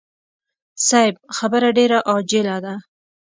صيب خبره ډېره عاجله ده.